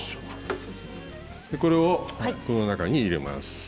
これを、この中に入れます。